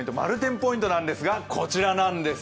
ポイントなんですがこちらです。